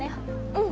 うん